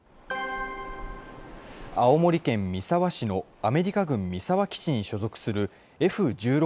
青森県三沢市のアメリカ軍三沢基地に所属するＦ１６